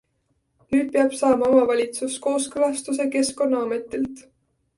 Nüüd peab saama omavalitsus kooskõlastuse keskkonnaametilt.